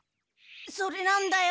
それなんだよ。